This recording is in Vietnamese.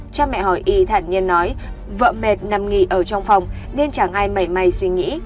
cha mẹ hỏi y thẳng như nói vợ mệt nằm nghỉ ở trong phòng nên chẳng ai mẩy may suy nghĩ